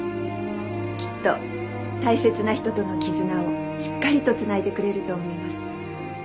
きっと大切な人との絆をしっかりと繋いでくれると思います。